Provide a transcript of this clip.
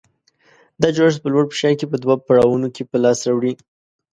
دا جوړښت په لوړ فشار کې په دوه پړاوونو کې په لاس راوړي.